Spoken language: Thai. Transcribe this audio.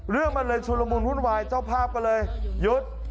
เรื่องมันเลยชุลมุนวุ่นวายเจ้าภาพก็เลยหยุด